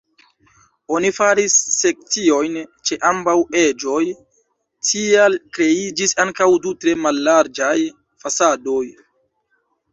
Oni faris sekciojn ĉe ambaŭ eĝoj, tial kreiĝis ankaŭ du tre mallarĝaj fasadoj.